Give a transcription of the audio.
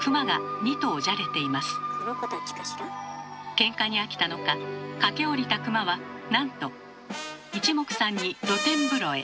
ケンカに飽きたのか駆け下りた熊はなんといちもくさんに露天風呂へ。